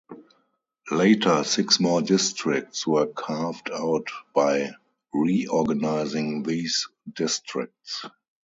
Later, six more districts were carved out by reorganizing these districts.